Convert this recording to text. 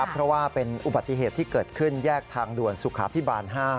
เพราะว่าเป็นอุบัติเหตุที่เกิดขึ้นแยกทางด่วนสุขาพิบาล๕